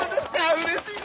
うれしいな。